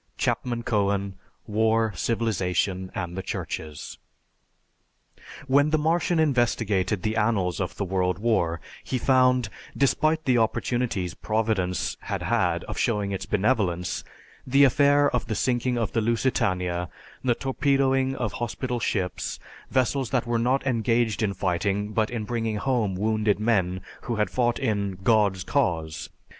(Chapman Cohen: "War, Civilization and the Churches.") When the Martian investigated the annals of the World War he found, despite the opportunities Providence had had of showing its benevolence, the affair of the sinking of the Lusitania, the torpedoing of hospital ships, vessels that were not engaged in fighting but in bringing home wounded men who had fought in "God's Cause."